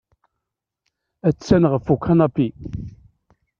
Attan ɣef ukanapi.